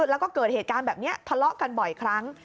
แล้วก็เกิดเหตุการณ์แบบนี้ทะเลาะกันบ่อยครั้ง